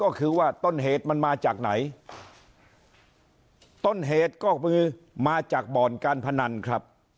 ก็คือว่าต้นเหตุมันมาจากไหนต้นเหตุก็คือมาจากบ่อนการพนันครับ